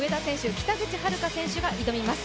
北口榛花が挑みます。